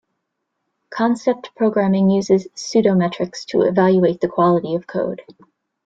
Concept programming uses "pseudo-metrics" to evaluate the quality of code.